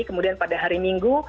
kemudian pada hari minggu